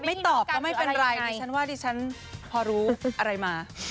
ไม่ตอบก็ไม่เป็นไรดิฉันว่าดิฉันพอรู้อะไรมา